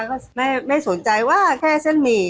ก็ไม่สนใจว่าแค่เส้นหมี่